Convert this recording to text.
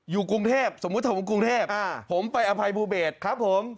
อยู่กรุงเทพสมมุติผมกรุงเทพผมไปอภัยภูเบศครับผม